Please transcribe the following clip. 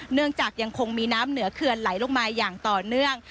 ยังคงมีน้ำเหนือเขื่อนไหลลงมาอย่างต่อเนื่อง